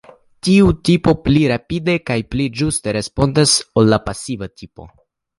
Tiu tipo pli rapide kaj pli ĝuste respondas ol la pasiva tipo.